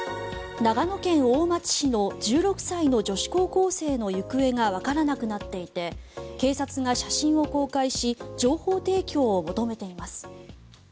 長野県大町市の１６歳の女子高校生の行方がわからなくなっていて警察が写真を公開し情報提供を求めています。